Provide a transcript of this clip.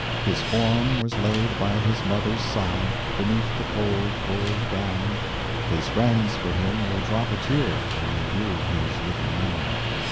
His form was laid by his mother's side, Beneath the cold, cold ground, His friends for him will drop a tear When they view his little mound."